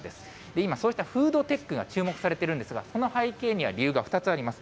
今、そうしたフードテックが注目されているんですが、この背景には理由が２つあります。